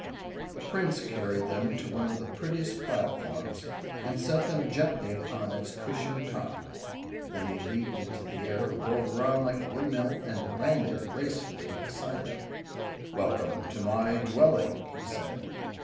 The Prince carried them to one of the prettiest platforms and set them gently upon its cushioned top. Then he leaped into the air, whirled around like a windmill and landed gracefully beside them. "Welcome to my dwelling," he said.